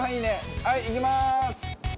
はいいきます！